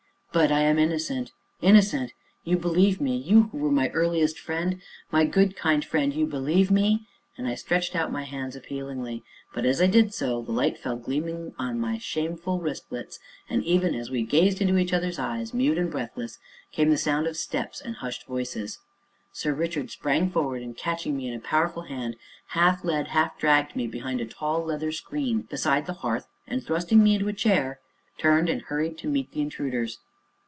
"But I am innocent innocent you believe me you who were my earliest friend my good, kind friend you believe me?" and I stretched out my hands appealingly, but, as I did so, the light fell gleaming upon my shameful wristlets; and, even as we gazed into each other's eyes, mute and breathless, came the sound of steps and hushed voices. Sir Richard sprang forward, and, catching me in a powerful hand, half led, half dragged me behind a tall leather screen beside the hearth, and thrusting me into a chair, turned and hurried to meet the intruders.